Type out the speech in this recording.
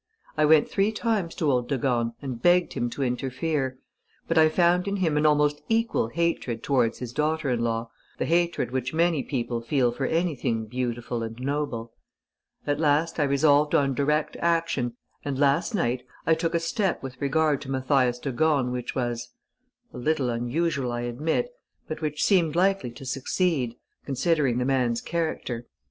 I went three times to old de Gorne and begged him to interfere; but I found in him an almost equal hatred towards his daughter in law, the hatred which many people feel for anything beautiful and noble. At last I resolved on direct action and last night I took a step with regard to Mathias de Gorne which was ... a little unusual, I admit, but which seemed likely to succeed, considering the man's character.